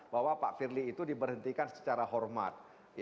bahwa pak firly itu diberhentikan secara hormat